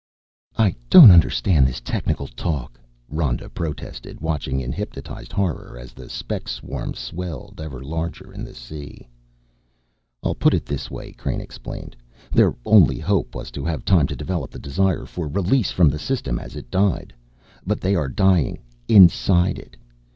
"I don't understand this technical talk," Rhoda protested, watching in hypnotized horror as the speck swarm swelled ever larger in the sea. "I'll put it this way," Crane explained. "Their only hope was to have time to develop the desire for release from the System as it died. But they are dying inside it.